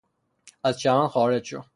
از چمن خارج شو!